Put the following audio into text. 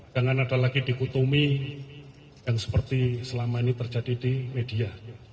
jangan ada lagi dikotomi yang seperti selama ini terjadi di media